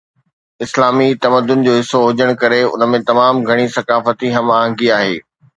اسلامي تمدن جو حصو هجڻ ڪري ان ۾ تمام گهڻي ثقافتي هم آهنگي آهي